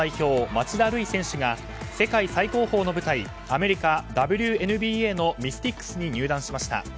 町田瑠唯選手が世界最高峰の舞台アメリカ・ＷＮＢＡのミスティックスに入団しました。